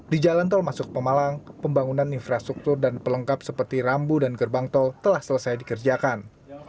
di jalan tol masuk pemalang pembangunan infrastruktur dan pelengkap seperti rambu dan gerbang tol telah selesai dikerjakan